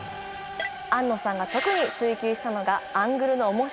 庵野さんが特に追求したのがアングルの面白さ。